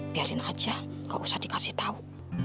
biarin aja gak usah dikasih tahu